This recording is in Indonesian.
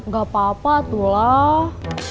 gak apa apa atuh lah